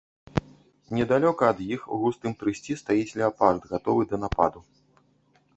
Недалёка ад іх у густым трысці стаіць леапард, гатовы да нападу.